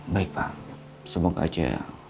baik pak semoga aja